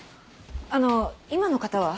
あの今の方は？